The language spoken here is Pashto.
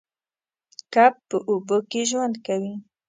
کب په اوبو کې ژوند کوي